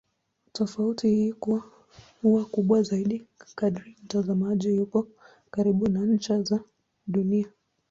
Tofauti hii huwa kubwa zaidi kadri mtazamaji yupo karibu na ncha za Dunia.